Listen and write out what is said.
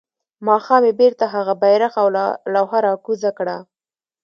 ماښام يې بيرته هغه بيرغ او لوحه راکوزه کړه.